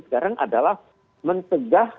sekarang adalah mencegah